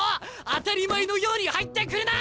当たり前のように入ってくるな！